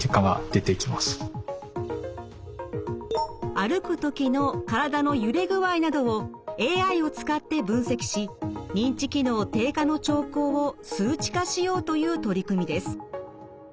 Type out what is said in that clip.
歩く時の体の揺れ具合などをＡＩを使って分析し認知機能低下の兆候を数値化しようという取り組みです。